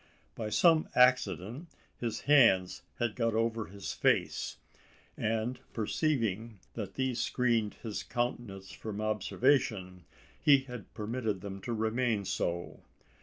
By some accident, his hands had got over his face; and, perceiving that these screened his countenance from observation, he had permitted them to remain so.